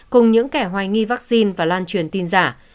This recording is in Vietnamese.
cùng những kẻ hoài nghi vaccine và lan truyền tin giả